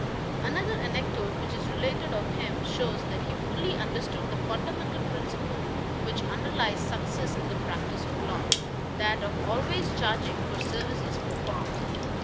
Another anecdote which is related of him shows that he fully understood the fundamental principle which underlies success in the practice of law that of always charging for services performed.